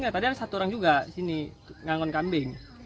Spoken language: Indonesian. tadi ada satu orang juga disini ngangon kambing